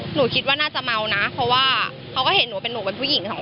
หนูคิดว่าน่าจะเมานะเพราะว่าเขาก็เห็นหนูเป็นหนูเป็นผู้หญิงสองคน